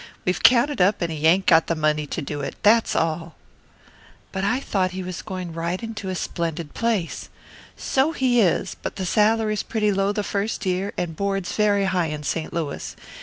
We've counted up, and he ain't got the money to do it that's all." "But I thought he was going right into a splendid place." "So he is; but the salary's pretty low the first year, and board's very high in St. Louis.